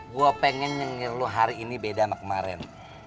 gue pengen denger lu hari ini beda sama kemarin